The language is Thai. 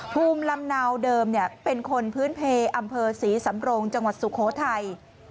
ภูมิลำเนาเดิมเป็นคนพื้นเพลอำเภอศรีสำโรงจังหวัดสุโขทัย